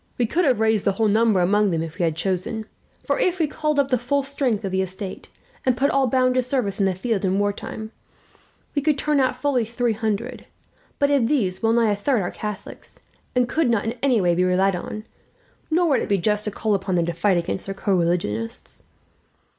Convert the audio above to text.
We could have raised the whole number among them, had we chosen; for if we called up the full strength of the estate, and put all bound to service in the field in war time, we could turn out fully three hundred; but of these well nigh a third are Catholics, and could not in any way be relied on, nor would it be just to call upon them to fight against their co religionists.